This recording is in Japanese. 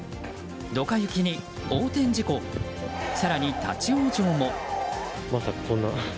ドカ雪に横転事故更に立ち往生も。